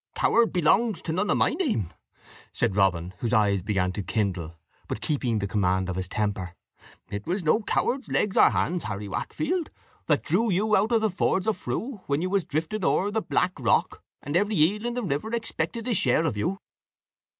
"Coward pelongs to none of my name," said Robin, whose eyes began to kindle, but keeping the command of his temper. "It was no coward's legs or hands, Harry Waakfelt, that drew you out of the fords of Frew, when you was drifting ower the plack rock, and every eel in the river expected his share of you."